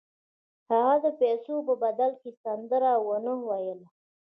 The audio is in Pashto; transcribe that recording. هغه د پیسو په بدل کې سندره ونه ویله